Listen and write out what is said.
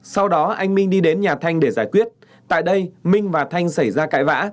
sau đó anh minh đi đến nhà thanh để giải quyết tại đây minh và thanh xảy ra cãi vã